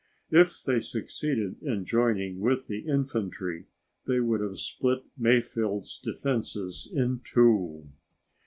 If they succeeded in joining with the infantry they would have split Mayfield's defenses in two.